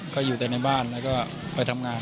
ก็อยู่แต่ในบ้านแล้วก็ไปทำงาน